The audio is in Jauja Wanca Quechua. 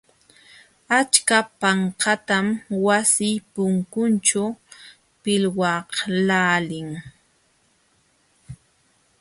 Achka panqatam wasi punkunćhu pilwaqlaalin.